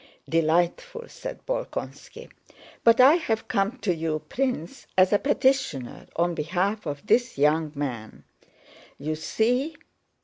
"Delightful!" said Bolkónski. "But I have come to you, Prince, as a petitioner on behalf of this young man. You see..."